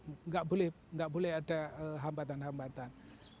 tidak boleh ada hambatan hambatan